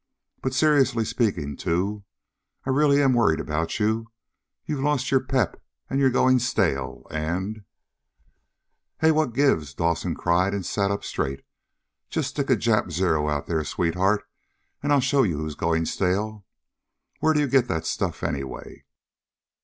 "But seriously speaking, too, I really am worried about you. You've lost your pep and you're going stale. And " "Hey, what gives?" Dawson cried, and sat up straight. "Just stick a Jap Zero out there, sweetheart, and I'll show you who's going stale. Where do you get that stuff, anyway?"